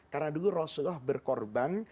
karena dulu rasulullah berkorban